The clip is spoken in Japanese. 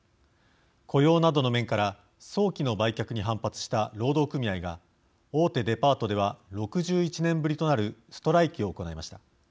雇用などの面から早期の売却に反発した労働組合が大手デパートでは６１年ぶりとなるストライキを行いました。